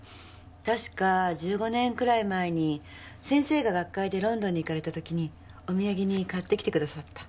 確か１５年くらい前に先生が学会でロンドンに行かれた時にお土産に買ってきてくださった。